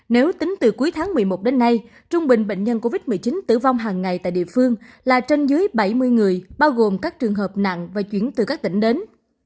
nếu tính từ cuối tháng một mươi một đến nay trung bình bệnh nhân covid một mươi chín tử vong hàng ngày tại địa phương là trên dưới bảy mươi người bao gồm các trường hợp nặng và chuyển từ các tỉnh đến